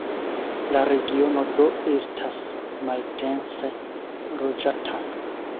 La regiono do estas maldense loĝata.